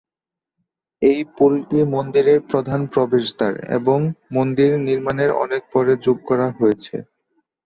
এই পুলটি মন্দিরের প্রধান প্রবেশদ্বার, এবং মন্দির নির্মাণের অনেক পরে যোগ করা হয়েছে।